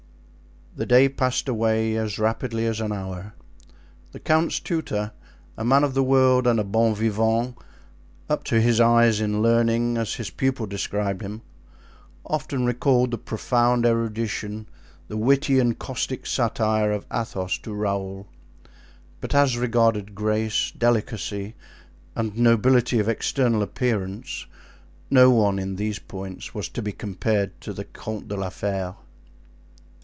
The day passed away as rapidly as an hour. The count's tutor, a man of the world and a bon vivant, up to his eyes in learning, as his pupil described him, often recalled the profound erudition, the witty and caustic satire of Athos to Raoul; but as regarded grace, delicacy, and nobility of external appearance, no one in these points was to be compared to the Comte de la Fere.